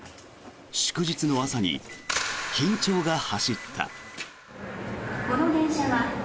祝日の朝に緊張が走った。